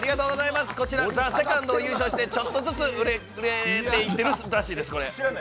こちら「ＴＨＥＳＥＣＯＮＤ」を優勝してちょっとずつ売れていってるらしいです。